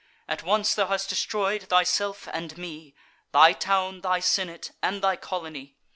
At once thou hast destroy'd thyself and me, Thy town, thy senate, and thy colony!